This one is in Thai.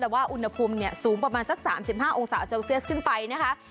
แต่ว่าอุณหภูมิสูงประมาณสัก๓๕องศาเซลเซียสขึ้นไปนะคะ